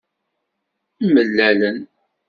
Imalalen.